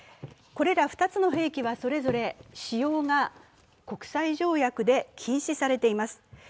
これら２つの兵器はそれぞれ使用が国際条約で禁止されています。